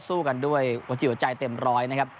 สู้กันด้วยหัวจิตหัวใจเต็มร้อยนะครับ